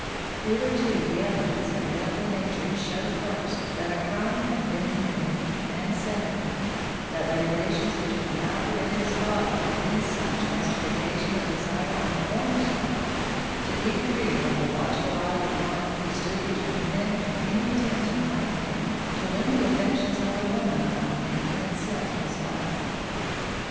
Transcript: Hitherto the evidence had been of a nature to show, first, that a crime had been committed, and, secondly, that the relations between Alfred and his father had been such as to occasion a desire on the former's part to be free from the watchful eye of one who stood between him and any attempt he might make to win the affections of the woman upon whom he had set his heart.